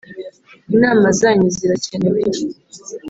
Inama zanyu zirakenewe